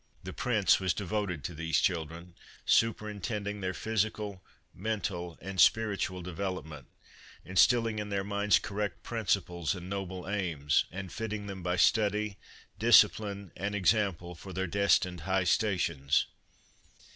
The Prince was devoted to these children, superintending their physical, mental and spiritual development, instilling in their minds correct principles and noble aims, and fitting them by study, discipline and example for their destined high sta tions.